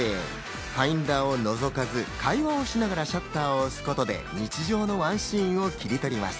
ファインダーをのぞかず、会話をしながら、シャッターを押すことで、日常のワンシーンを切り取ります。